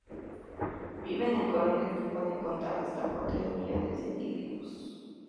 Viven en colonias que pueden contar hasta con tres millones de individuos.